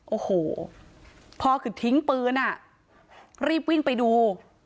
โอ้โหพ่อคือทิ้งปืนอ่ะรีบวิ่งไปดู